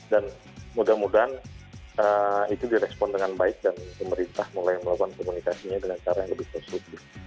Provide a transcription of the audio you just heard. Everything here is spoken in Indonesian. mudah mudahan itu direspon dengan baik dan pemerintah mulai melakukan komunikasinya dengan cara yang lebih konstruktif